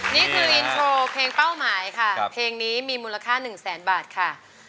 นี่คืออินโทรเพลงเป้าหมายค่ะเพลงนี้มีมูลค่า๑แสนบาทค่ะ